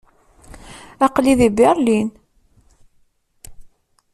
Aql-i di Berlin.